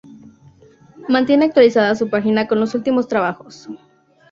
Mantiene actualizada su página con los últimos trabajos.